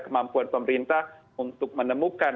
kemampuan pemerintah untuk menemukan